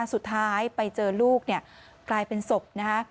สุดท้ายไปเจอลูกกลายเป็นศพนะฮะ